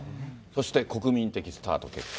そして国民的スターと結婚。